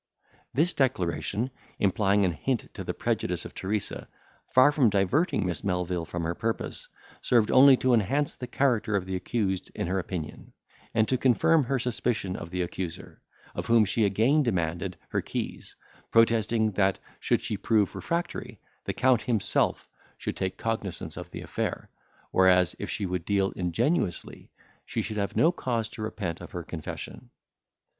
This declaration, implying an hint to the prejudice of Teresa, far from diverting Miss Melvil from her purpose, served only to enhance the character of the accused in her opinion, and to confirm her suspicion of the accuser, of whom she again demanded her keys, protesting that, should she prove refractory, the Count himself should take cognisance of the affair, whereas, if she would deal ingenuously, she should have no cause to repent of her confession.